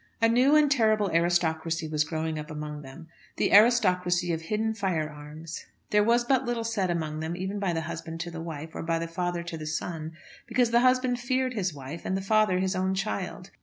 A new and terrible aristocracy was growing up among them, the aristocracy of hidden firearms. There was but little said among them, even by the husband to the wife, or by the father to the son; because the husband feared his wife, and the father his own child.